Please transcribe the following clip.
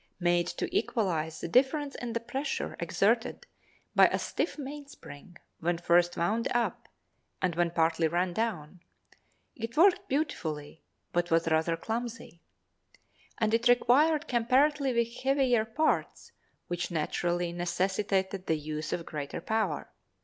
Made to equalize the difference in the pressure exerted by a stiff mainspring when first wound up and when partly run down, it worked beautifully but was rather clumsy; and it required comparatively heavier parts which naturally necessitated the use of greater power.